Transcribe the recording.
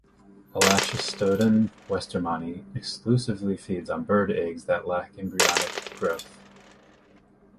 "Elachistodon westermanni" exclusively feeds on bird eggs that lack embryonic growth.